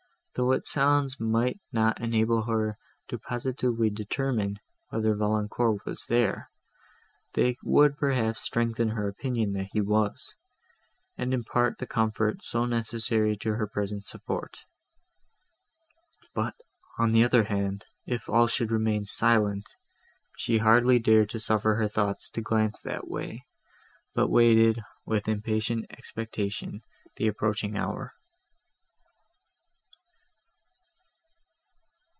Though its sounds might not enable her positively to determine, whether Valancourt was there, they would perhaps strengthen her opinion that he was, and impart the comfort, so necessary to her present support. But, on the other hand, if all should be silent! She hardly dared to suffer her thoughts to glance that way, but waited, with impatient expectation, the approaching hour.